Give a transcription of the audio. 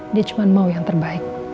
dia cuma mau yang terbaik